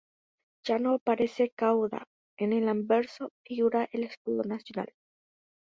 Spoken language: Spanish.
Ya no aparece Kaunda: en el anverso figura el escudo nacional.